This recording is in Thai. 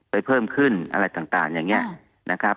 เพิ่มขึ้นอะไรต่างอย่างนี้นะครับ